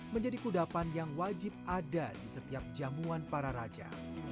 menjadi kudapan yang wajib ada di setiap jamuan para raja